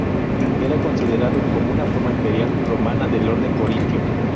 Era considerado como una forma imperial romana del orden corintio.